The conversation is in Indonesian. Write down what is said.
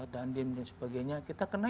dan dim dan sebagainya kita kena